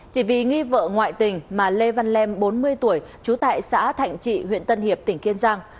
chỉ vì nghi vợ ngoại tình mà lê văn lem bốn mươi tuổi trú tại xã thạnh trị huyện tân hiệp tỉnh kiên giang